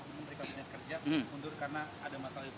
di menteri kementerian kerja